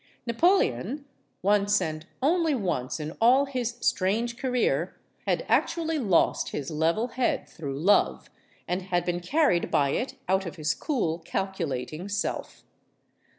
Napoleon, once and only once in all his strange career, had actually lost his level head through love and had been carried by it out of his cool, calculating self.